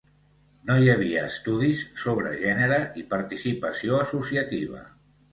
No hi havia estudis sobre gènere i participació associativa.